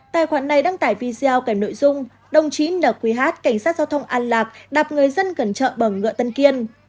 tài khoản này đăng tải video kèm nội dung đồng chí ndgh cảnh sát giao thông an lạc đạp người dân cẩn trợ bằng ngựa tân kiên